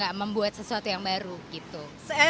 pema eng sinnuh ke ibra powder